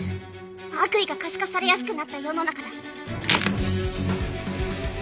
「悪意が可視化されやすくなった世の中だ」